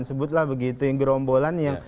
sebutlah begitu gerombolan yang